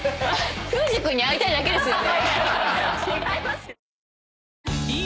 楓珠君に会いたいだけですよね？